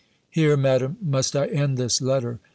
Here, Madam, must I end this letter.